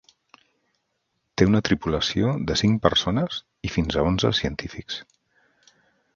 Té una tripulació de cinc persones i fins a onze científics.